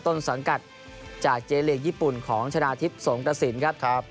ต้นสอนกัดจากเจลียงญี่ปุ่นของฯศาลอทิพย์สงตะศิลป์ครับ